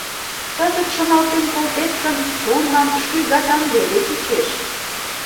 Кызыт шоналтен колтет гын, чонлан шуйгатан веле чучеш.